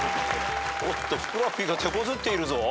おっとふくらＰがてこずっているぞ。